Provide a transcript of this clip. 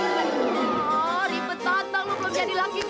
belum jadi lagi bo